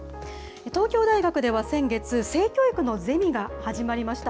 東京大学では先月、性教育のゼミが始まりました。